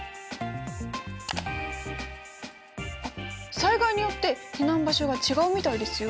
災害によって避難場所が違うみたいですよ。